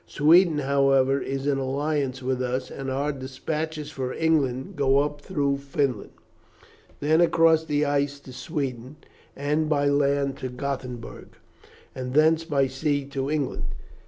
Sweden, however, is in alliance with us, and our despatches for England go up through Finland, then across the ice to Sweden, and by land to Gothenburg, and thence by sea to England.